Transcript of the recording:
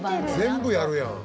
全部やるやん。